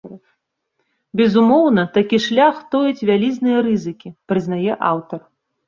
Безумоўна, такі шлях тоіць вялізныя рызыкі, прызнае аўтар.